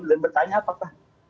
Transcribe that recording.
dan bertanya apakah